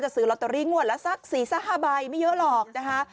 ซื้อลอตเตอรี่งวดละสัก๔๕ใบไม่เยอะหรอกนะคะ